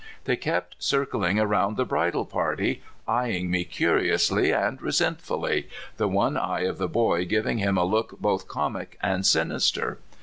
They kept circling around the bridal party, eying me curiously and resentfully, the one eye oi the boy giving him a look both comic and sinister.